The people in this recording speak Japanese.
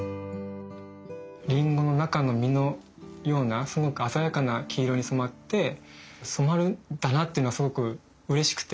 リンゴの中の実のようなすごく鮮やかな黄色に染まって染まるんだなっていうのはすごくうれしくて。